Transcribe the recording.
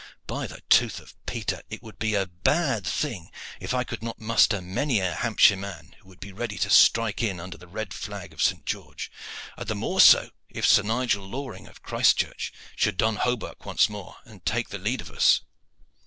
By the tooth of Peter! it would be a bad thing if I could not muster many a Hamptonshire man who would be ready to strike in under the red flag of St. George, and the more so if Sir Nigel Loring, of Christchurch, should don hauberk once more and take the lead of us."